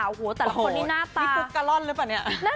โอ้โหแต่ละคนนี้หน้าตาพี่ปุ๊กกะล่อนหรือเปล่าเนี่ย